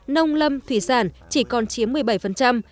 nông lâm thủy sản chỉ còn chiếm một mươi bảy